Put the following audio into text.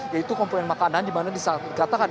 yaitu komponen makanan dimana disatukan katakan